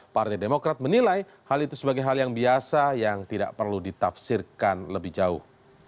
partai demokrat menilai hal itu sebagai hal yang biasa yang tidak perlu ditafsirkan lebih jauh